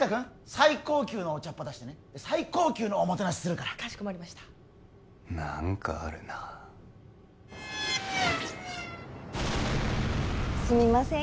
最高級のお茶っ葉出してね最高級のおもてなしするからかしこまりました何かあるなあすみません